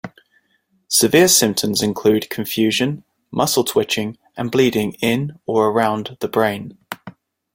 Severe symptoms include confusion, muscle twitching, and bleeding in or around the brain.